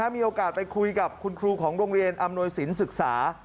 มีโอกาสไปคุยกับคุณครูของโรงเรียนอำนวยสินศึกษา